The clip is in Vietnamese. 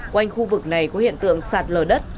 quanh khu vực này có hiện tượng sạt lở đất